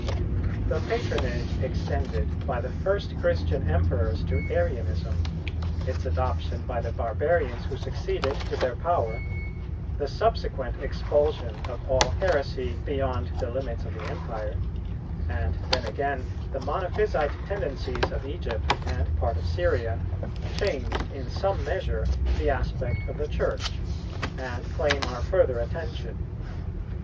The patronage extended by the first Christian Emperors to Arianism, its adoption by the barbarians who succeeded to their power, the subsequent expulsion of all heresy beyond the limits of the Empire, and then again the Monophysite tendencies of Egypt and part of Syria, changed in some measure the aspect of the Church, and claim our further attention.